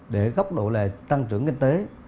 để góc độ là tăng trưởng kinh tế